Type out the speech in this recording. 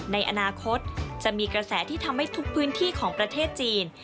ในอนาคตจะมีกระแสที่ทำให้ทุกพื้นที่ของประเทศจีน